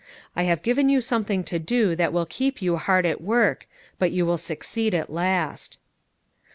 I have given you something to do that will keep you hard at work, but you will succeed at last."